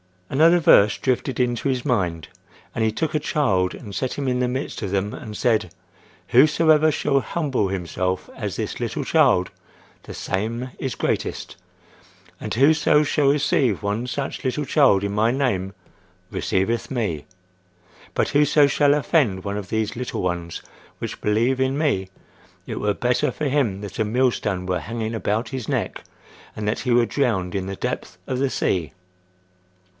Another verse drifted into his mind: "And he took a child and set him in the midst of them, and said, Whosoever shall humble himself as this little child, the same is greatest. And whoso shall receive one such little child in my name receiveth me. But whoso shall offend one of these little ones which believe in me, it were better for him that a millstone were hanged about his neck, and that he were drowned in the depth of the sea."